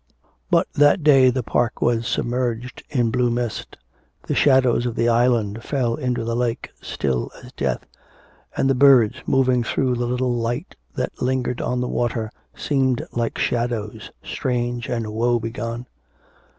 But that day the park was submerged in blue mist. The shadows of the island fell into the lake, still as death; and the birds, moving through the little light that lingered on the water, seemed like shadows, strange and woe begone.